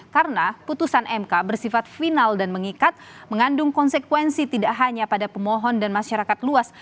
karena putusan mk bersifat final dan mengikat mengandung konsekuensi tidak hanya pada pemohon dan masyarakat luas